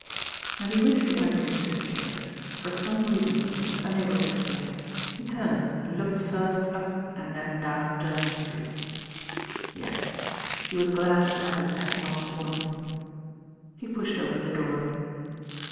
As he reached the entrance to his chamhcrg, for some rea son that he was unable to expli. he turned and looked first up and then down Jer. ... S.r.et. Yes he was glad the tablets had r/ l v. on. * He pushed open the door.